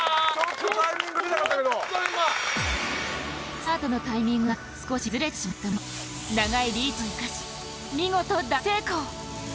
スタートのタイミングが少しずれてしまったものの長いリーチを生かし見事大成功。